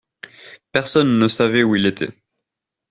Personne ne savait où il était.